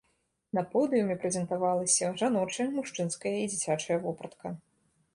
На подыуме прэзентавалася жаночая, мужчынская і дзіцячая вопратка.